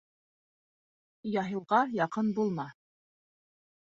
Яһилға яҡын булма.